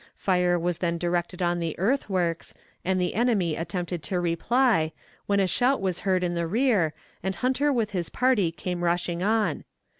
Fire was then directed on the earthworks, and the enemy attempted to reply, when a shout was heard in the rear, and Hunter with his party came rushing on.